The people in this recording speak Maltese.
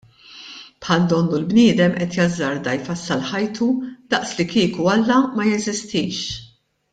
Bħal donnu l-bniedem qed jazzarda jfassal ħajtu daqslikieku Alla ma jeżistix.